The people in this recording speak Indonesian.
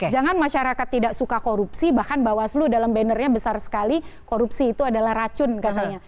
jangan masyarakat tidak suka korupsi bahkan bawaslu dalam bannernya besar sekali korupsi itu adalah racun katanya